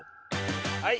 はい。